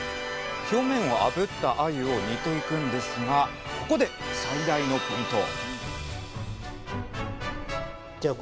表面をあぶったあゆを煮ていくんですがここで最大のポイント！